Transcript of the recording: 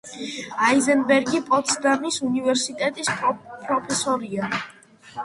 აიზენბერგი პოტსდამის უნივერსიტეტის პროფესორია.